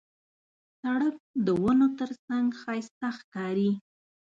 سړک د ونو ترڅنګ ښایسته ښکاري.